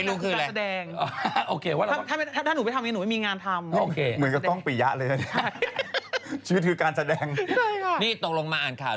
รู้แบบไม่รู้ค่ะ